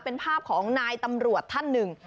เป็นภาพของนายตำรวจท่านหนึ่ง